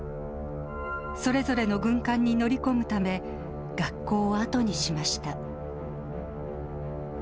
それぞれの軍艦に乗り込むため、学校を後にしました。